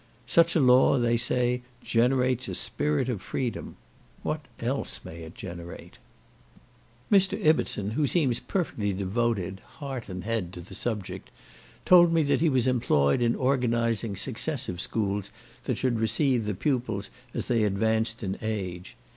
Such a law, they say, generates a spirit of freedom. What else may it generate? Mr. Ibbertson, who seems perfectly devoted, heart and head to the subject, told me that he was employed in organizing successive schools that should receive the pupils as they advanced in age.